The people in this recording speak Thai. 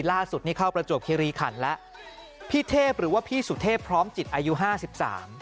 ล่าสุดนี่เข้าประจวบคิริขันแล้วพี่เทพหรือว่าพี่สุเทพพร้อมจิตอายุห้าสิบสาม